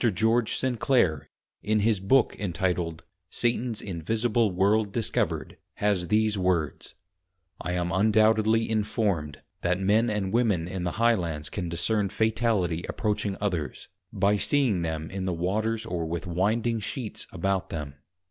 George Sinclare, in his Book Entituled, Satans Invisible World discovered, has these Words, 'I am undoubtedly informed, that men and women in the High lands can discern Fatality approaching others, by seeing them in the Waters or with Winding Sheets about them.